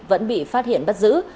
vẫn bị phát hiện bắt giữ